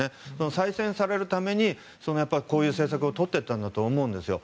再選されるためにこういう政策を取っていったんだと思うんです。